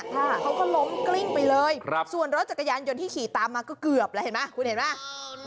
เขาก็ล้มกลิ้งไปเลยส่วนรถจักรยานยนต์ที่ขี่ตามมาก็เกือบแล้วเห็นไหมคุณเห็นไหม